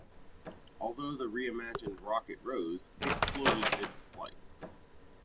Although the re-imagined rocket rose, it exploded midflight.